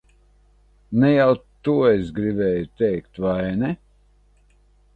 Ne jau to es gribēju teikt, vai ne?